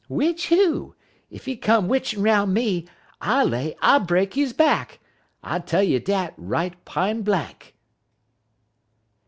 "'Witch who? Ef he come witchin' roun' me, I lay I break his back. I tell you dat right pine blank."